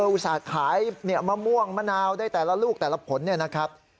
อุตส่าห์ขายมะม่วงมะนาวได้แต่ละลูกแต่ละผลเนี่ยนะครับ